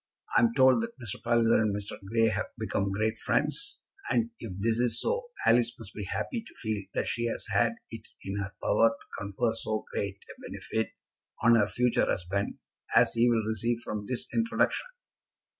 I'm told that Mr. Palliser and Mr. Grey have become great friends, and if this is so, Alice must be happy to feel that she has had it in her power to confer so great a benefit on her future husband as he will receive from this introduction."